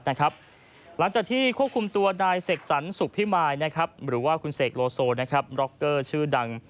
หลังจากที่ควบคุมตัวนายเสกสรรสุขพิมายหรือว่าคุณเสกโลโซบล็อกเกอร์ชื่อดัง